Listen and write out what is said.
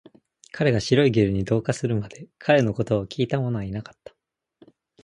彼が白いゲルに同化するまで、彼の言葉を聞いたものはいなかった